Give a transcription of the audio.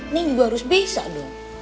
ini juga harus bisa dong